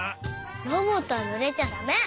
ロボットはぬれちゃだめ！